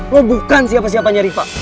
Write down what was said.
lo bukan siapa siapanya riva